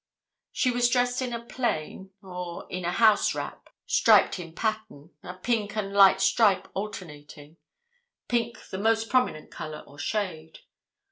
'' She was dressed in a plain—or in a house wrap, striped in pattern, a pink and light stripe alternating—pink the most prominent color or shade.